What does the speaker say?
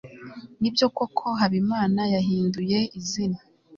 nibyo koko habimana yahinduye izina